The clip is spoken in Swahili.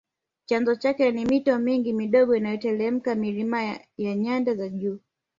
Chanzo chake ni mito mingi midogo inayoteremka milima ya nyanda za juu